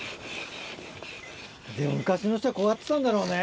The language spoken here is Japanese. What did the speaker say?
でも昔の人はこうやってたんだろうね。